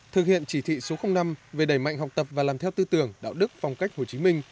thực hiện chỉ thị số năm về đẩy mạnh học tập và làm theo tư tưởng đạo đức phong cách hồ chí minh